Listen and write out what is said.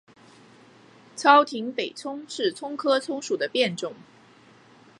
糙葶北葱是葱科葱属的变种。